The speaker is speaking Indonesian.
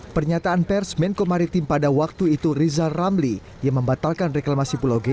pernyataan pers menko maritim pada waktu itu rizal ramli yang membatalkan reklamasi pulau g